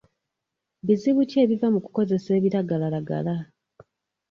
Bizibu ki ebiva mu kukozesa ebiragalalagala?